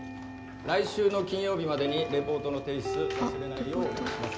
来週の金曜日までにレポートの提出忘れないようお願いします。